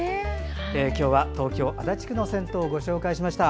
今日は東京・足立区の銭湯をご紹介しました。